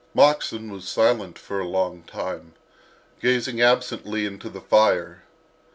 Moxon was silent for a long time, gazing absently into the fire.